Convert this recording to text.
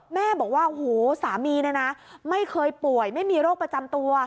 แม่บอกว่าสามีไม่เคยป่วยไม่มีโรคประจำตัว